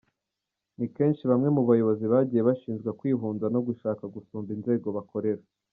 Ni Kenshi bamwe mu bayobozi bagiye bashinjwa kwihunza no gushaka gusumba inzego bakorera.